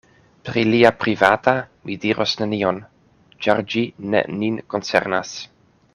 Pri lia privata mi diros nenion; ĉar ĝi ne nin koncernas.